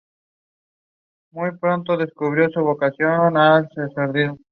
La palabra mundo es aquí sinónimo de siglo, de donde procede el adjetivo secular.